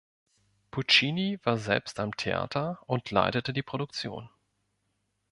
Puccini war selbst am Theater und leitete die Produktion.